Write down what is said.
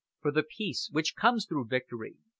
"For the Peace which comes through Victory!"